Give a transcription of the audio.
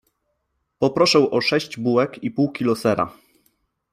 Poproszę o sześć bułek i pół kilo sera.